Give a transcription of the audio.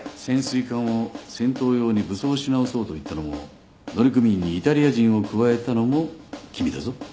潜水艦を戦闘用に武装し直そうと言ったのも乗組員にイタリア人を加えたのも君だぞ？